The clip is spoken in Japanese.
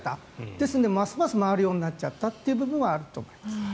ですのでますます回るようになっちゃった部分はあると思います。